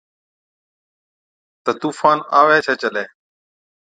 تہ طُوفان آوَي ڇَي چلَي،